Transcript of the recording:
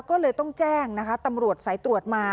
ก็เลยต้องแจ้งนะคะตำรวจสายตรวจมา